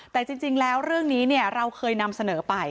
แต่จริงแล้วเรื่องนี้เราเคยนำเสนอไป